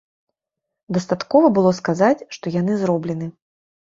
Дастаткова было сказаць, што яны зроблены.